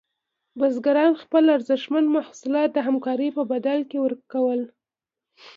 بزګران خپل ارزښتمن محصولات د همکارۍ په بدل کې ورکول.